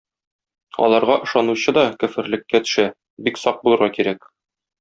Аларга ышанучы да көферлеккә төшә, бик сак булырга кирәк.